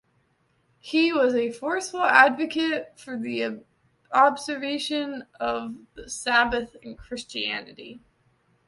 He was a forceful advocate for the observation of the Sabbath in Christianity.